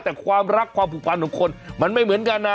แต่ความรักความผูกพันของคนมันไม่เหมือนกันนะ